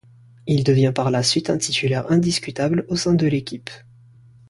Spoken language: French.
Il devient par la suite un titulaire indiscutable au sein de l'équipe.